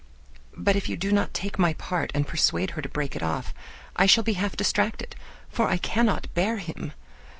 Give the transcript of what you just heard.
But if you do not take my part and persuade her to break it off, I shall be half distracted, for I cannot bear him.